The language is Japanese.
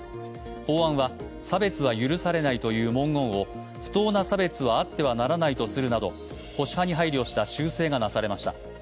法案は差別は許されないという文言を不当な差別はあってはならないとするなど、保守派に配慮した修正がなされました。